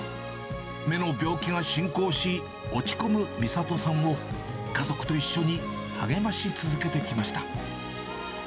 目の病気が進行し、落ち込む美里さんを、家族と一緒に励まし続けてきました。